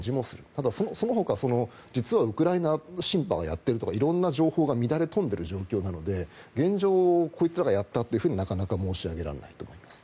ただ、そのほか実はウクライナシンパがやっているとか色んな情報が乱れ飛んでいる状況なので現状、こいつらがやったとはなかなか申し上げられないと思います。